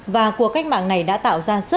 và cuộc cách mạng này đã tạo ra rất nhiều sai lầm